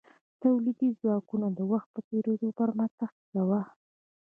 تولیدي ځواکونو د وخت په تیریدو پرمختګ کاوه.